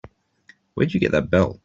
Where'd you get that belt?